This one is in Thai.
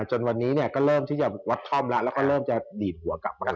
จนวันนี้เนี่ยก็เริ่มที่จะวัดท่อมแล้วแล้วก็เริ่มจะดีดหัวกลับมาแล้ว